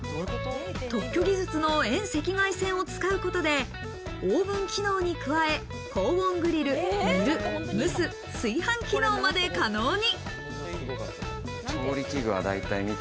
特許技術の遠赤外線を使うことでオーブン機能に加え、高温グリル、煮る、蒸す、炊飯機能まで可能に。